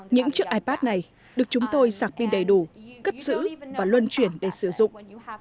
những chiếc ipad này được chúng tôi sạc pin đầy đủ cất giữ và luân chuyển để sử dụng